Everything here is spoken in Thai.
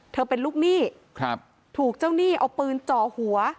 เป็นลูกหนี้ครับถูกเจ้าหนี้เอาปืนจ่อหัว